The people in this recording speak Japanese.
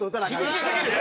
厳しすぎる！